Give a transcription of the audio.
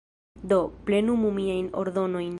Do, plenumu miajn ordonojn.